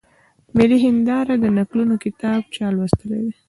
د ملي هېندارې د نکلونو کتاب چا لوستلی دی؟